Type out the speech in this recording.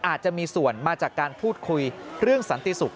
อาจจะมีส่วนมาจากการพูดคุยเรื่องสันติสุข